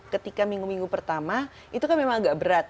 ketika minggu minggu pertama itu kan memang agak berat